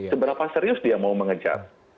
seberapa serius dia mau mengejar